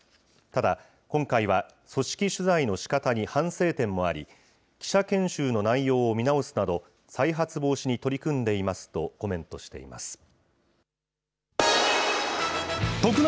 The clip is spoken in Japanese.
ただ、今回は組織取材のしかたに反省点もあり、記者研修の内容を見直すなど、再発防止に取り組んでいますとコメントしています。